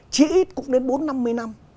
chỉ ít cũng đến bốn năm mươi năm